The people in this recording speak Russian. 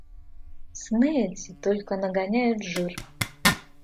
Сны эти только нагоняют жир.